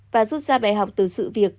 và rút ra bài học từ sự việc